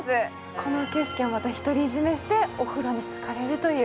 この景色をまたひとり占めしてお風呂につかれるという。